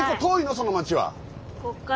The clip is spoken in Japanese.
その町は。